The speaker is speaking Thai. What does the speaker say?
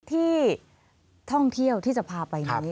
ที่ท่องเที่ยวที่จะพาไปนี้